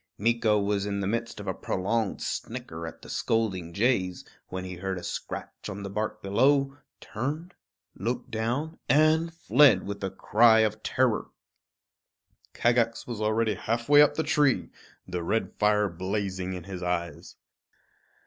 Meeko was in the midst of a prolonged snicker at the scolding jays, when he heard a scratch on the bark below, turned, looked down, and fled with a cry of terror. Kagax was already halfway up the tree, the red fire blazing in his eyes.